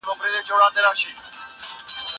زه پرون سبزېجات تيار کړل!!